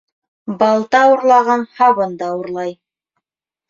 Балта урлаған һабын да урлай.